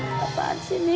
eh apaan sih ini